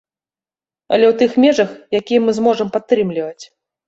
Але ў тых межах, якія мы зможам падтрымліваць.